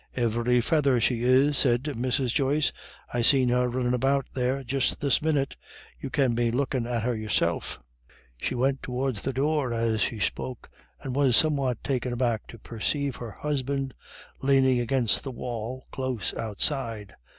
"Ivery feather she is," said Mrs. Joyce. "I seen her runnin' about there just this minute; you can be lookin' at her yourself." She went towards the door as she spoke, and was somewhat taken aback to perceive her husband leaning against the wall close outside.